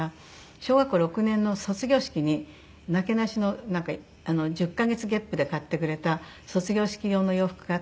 小学校６年の卒業式になけなしの１０カ月月賦で買ってくれた卒業式用の洋服があって。